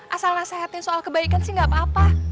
asal nasehatin soal kebaikan sih gak apa apa